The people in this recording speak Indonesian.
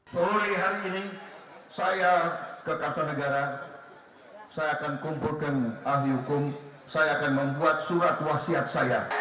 sore hari ini saya ke kartanegara saya akan kumpulkan ahli hukum saya akan membuat surat wasiat saya